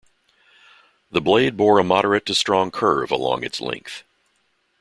The blade bore a moderate to strong curve along its length.